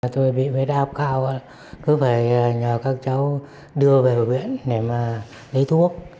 tôi bị huyết áp cao cứ phải nhờ các cháu đưa về viện để mà lấy thuốc